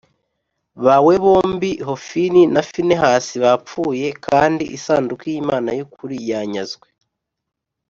bawe bombi hofuni na finehasi bapfuye kandi isanduku y imana y ukuri yanyazwe